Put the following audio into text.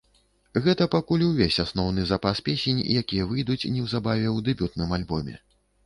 Гэта пакуль увесь асноўны запас песень, якія выйдуць неўзабаве ў дэбютным альбоме.